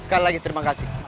sekali lagi terima kasih